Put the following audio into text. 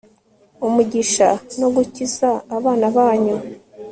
umugisha no gukiza abana banyu